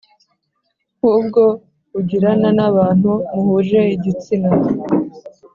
nk ubwo ugirana n abantu muhuje igitsina